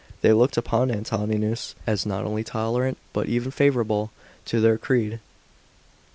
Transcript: They looked upon Antoninus as not only tolerant, but even favourable to their creed.